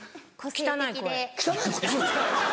汚い声。